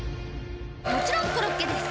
「もちろんコロッケです」